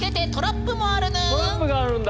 トラップがあるんだ。